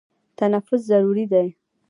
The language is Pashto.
تنفس ضروري دی.